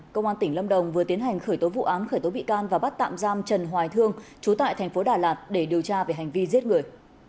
công an tỉnh lâm đồng vừa tiến hành khởi tố vụ án khởi tố bị can và bắt tạm giam trần hoài thương chú tại thành phố đà lạt để điều tra về hành vi giết người